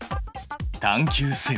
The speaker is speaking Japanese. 探究せよ。